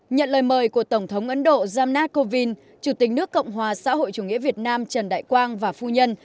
nhận lời mời của tổng thống ấn độ jamnath kovind chủ tịch nước cộng hòa xã hội chủ nghĩa việt nam trần đại quang và phu nhân